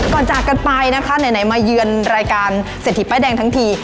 จากกันไปนะคะไหนมาเยือนรายการเศรษฐีป้ายแดงทั้งที